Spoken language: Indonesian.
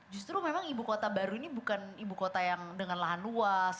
justru memang ibu kota baru ini bukan ibu kota yang dengan lahan luas